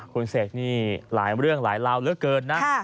คุณเสกนี่หลายเรื่องหลายราวเหลือเกินนะ